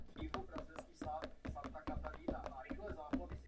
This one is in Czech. Ve druhém kole ji však zastavila Andrea Hlaváčková.